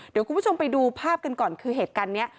เดี๋ยวคุณผู้ชมไปดูภาพกันก่อนคือเหตุการณ์นี้